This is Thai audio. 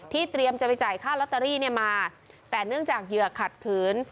เตรียมจะไปจ่ายค่าลอตเตอรี่เนี่ยมาแต่เนื่องจากเหยื่อขัดขืน